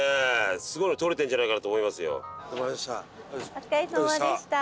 お疲れさまでした。